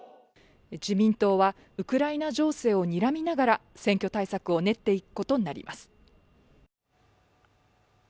自民党は、ウクライナ情勢をにらみながら選挙対策を練っていくことになります。